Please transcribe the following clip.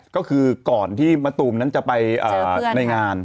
ก็คือก่อนที่มะตูมนั้นจะไปในงาน